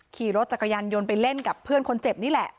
ขี่รถจักรยานยนต์ไปเล่นกับเพื่อนคนเจ็บนี่แหละ